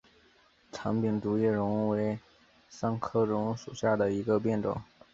长柄竹叶榕为桑科榕属下的一个变种。